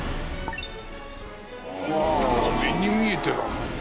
目に見えてるわ。